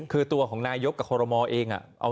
คือตัวของนายยกกับโฮโรมอล์เองอะ